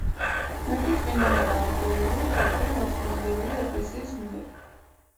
მეფე წმინდანადაა აღიარებული ქართული მართლმადიდებელი ეკლესიის მიერ.